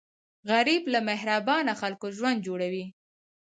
غریب له مهربانه خلکو ژوند جوړوي